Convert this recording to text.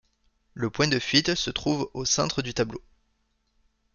Le point de fuite se trouve au centre du tableau.